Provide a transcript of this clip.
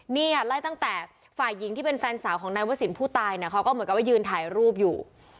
นี่ค่ะไล่ตั้งแต่ฝ่ายหญิงที่เป็นแฟนสาวของนายวสินผู้ตายเนี่ยเขาก็เหมือนกับว่ายืนถ่ายรูปอยู่